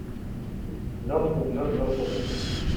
Noms i cognoms del ponent.